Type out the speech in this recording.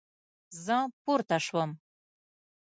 زه پورته شوم